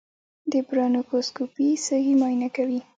د برونکوسکوپي سږي معاینه کوي.